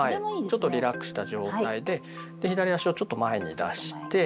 ちょっとリラックスした状態で左足をちょっと前に出して。